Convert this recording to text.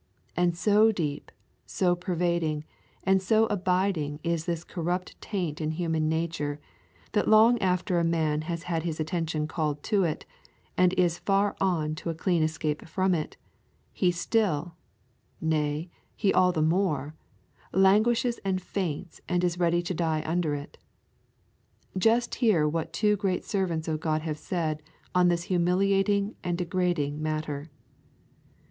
And so deep, so pervading, and so abiding is this corrupt taint in human nature, that long after a man has had his attention called to it, and is far on to a clean escape from it, he still nay, he all the more languishes and faints and is ready to die under it. Just hear what two great servants of God have said on this humiliating and degrading matter.